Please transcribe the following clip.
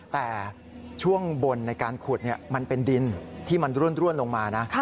แต่ช่วงบนในการขุดมันเป็นดินที่มันร่วนลงมานะ